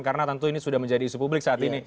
karena tentu ini sudah menjadi isu publik saat ini